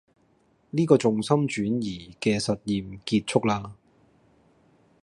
呢個重心轉移嘅實驗結束啦